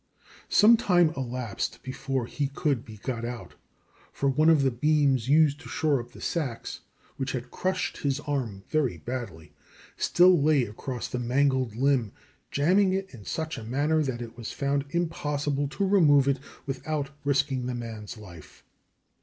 Some time elapsed before he could be got out, for one of the beams used to shore up the sacks, which had crushed his arm very badly, still lay across the mangled limb, jamming it in such a manner that it was found impossible to remove it without risking the man's life.